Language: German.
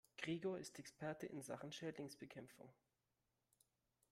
Gregor ist Experte in Sachen Schädlingsbekämpfung.